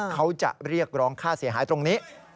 เขาจะเรียกร้องค่าเสียหายตรงนี้